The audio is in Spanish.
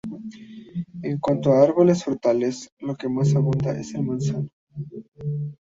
En cuanto a árboles frutales, lo que más abunda es el manzano.